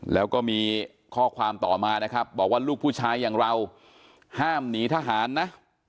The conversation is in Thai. แล้วก็มีข้อความต่อมานะครับบอกว่าลูกผู้ชายอย่างเราห้ามหนีทหารนะ